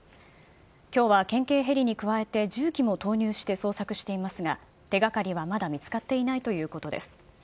きょうは県警ヘリに加えて、重機も投入して捜索していますが、手がかりはまだ見つかっていないということです。